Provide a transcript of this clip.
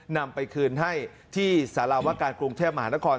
นำไปคืนให้ที่สารวการกรุงเทพมหานคร